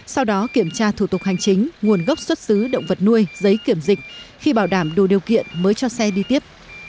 sau đó kiểm tra thủ tục hành chính nguồn gốc xuất xứ động vật nuôi giấy kiểm dịch khi bảo đảm đủ điều kiện mới cho xe đi tiếp